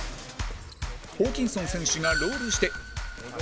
ホーキンソン選手がロールして井上：